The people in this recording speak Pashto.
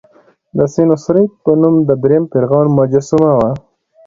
د سینوسریت په نوم د دریم فرعون مجسمه وه.